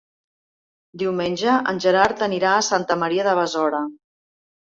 Diumenge en Gerard anirà a Santa Maria de Besora.